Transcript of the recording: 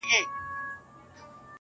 نه يې وليده كراره ورځ په ژوند كي؛